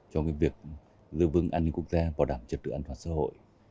cho cái việc giữ vững an ninh quốc gia bảo đảm trật tự an toàn xã hội